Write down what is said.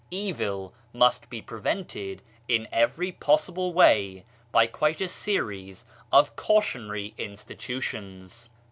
Evil must be prevented in every possible way by quite a series of cautionary insti tutions.